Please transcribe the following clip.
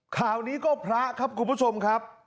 ข่าวนี้ก็พระครับคุณผู้ชมครับ